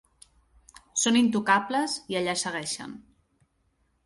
Són intocables i allà segueixen.